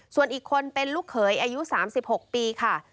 ส่วนอีกคนเป็นลูกเขยอายุ๓๖ปีค่ะ